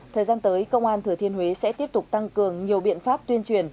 thời gian tới công an thừa thiên huế sẽ tiếp tục tăng cường nhiều biện pháp tuyên truyền